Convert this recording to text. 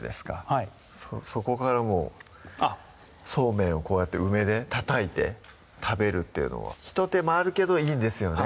はいそこからもうそうめんをこうやって梅でたたいて食べるっていうのは一手間あるけどいいんですよね